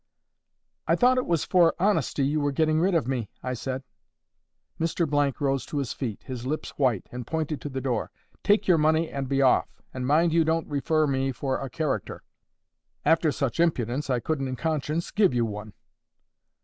'I thought it was for honesty you were getting rid of me,' I said. Mr— rose to his feet, his lips white, and pointed to the door. 'Take your money and be off. And mind you don't refer to me for a character. After such impudence I couldn't in conscience give you one.